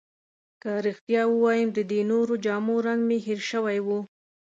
که رښتیا ووایم، د دې نورو جامو رنګ مې هیر شوی وو.